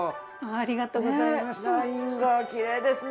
ありがとうございます。